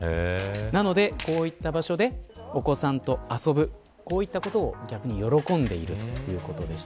なのでこういった場所でお子さんと遊ぶこういったことを逆に喜んでいるということでした。